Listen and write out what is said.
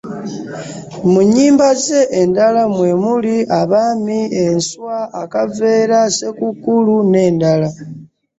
Mu nnyimba ze endala mwe muli: Abaami, Enswa, Akaveera, Ssekukkulu n'endala.